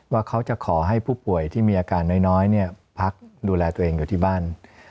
ว่าเขาจะขอให้ผู้ป่วยที่มีอาการน้อยพักดูแลตัวเองอยู่ที่บ้าน